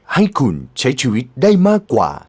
ให้คุณใช้ชีวิตได้มากกว่า